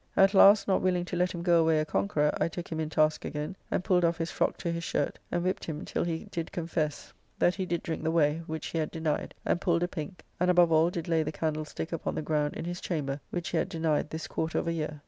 At last, not willing to let him go away a conqueror, I took him in task again, and pulled off his frock to his shirt, and whipped him till he did confess that he did drink the whey, which he had denied, and pulled a pink, and above all did lay the candlestick upon the ground in his chamber, which he had denied this quarter of a year.